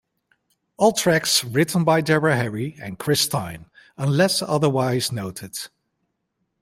All tracks written by Deborah Harry and Chris Stein, unless otherwise noted.